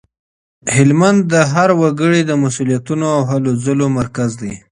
هلمند د هر وګړي د مسولیتونو او هلو ځلو مرکز دی.